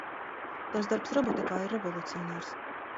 Tavs darbs robotikā ir revolucionārs.